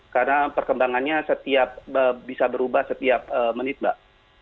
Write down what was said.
karena perkembangannya bisa berubah setiap menit mbak